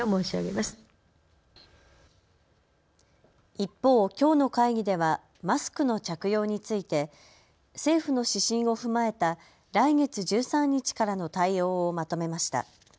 一方、きょうの会議ではマスクの着用について政府の指針を踏まえた来月１３日からの対応をまとめました。